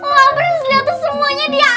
wabren lihat tuh semuanya dia aneh